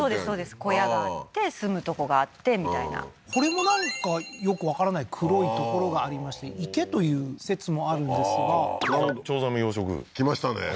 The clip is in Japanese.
小屋があって住むとこがあってみたいなこれもなんかよくわからない黒い所がありまして池という説もあるんですがチョウザメ養殖きましたね